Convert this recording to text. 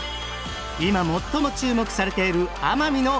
今最も注目されている奄美の唄い手。